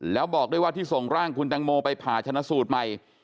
แล้วบอกด้วยว่าที่ส่งร่างคุณตังโมไปผ่าชนะสูตรใหม่